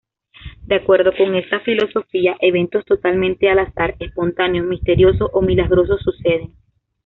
De acuerdo con esta filosofía, eventos totalmente al azar, espontáneos, misterioso, o milagrosos suceden.